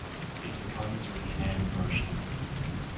It comes with hand motions.